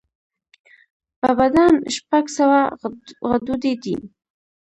په بدن شپږ سوه غدودي دي.